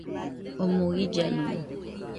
Omoɨ illanomo